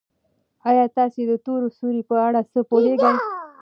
ایا تاسي د تور سوري په اړه څه پوهېږئ؟